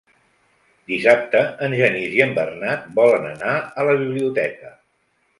Dissabte en Genís i en Bernat volen anar a la biblioteca.